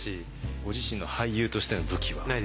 ご自身の俳優としての武器は？